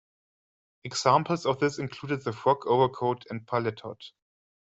Examples of this included the frock overcoat and paletot.